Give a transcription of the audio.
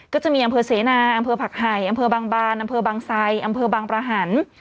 ก็จะมีอำเภอเสนาอำเภอผักไห่อำเภอบางบานอำเภอบางไซอำเภอบางประหัน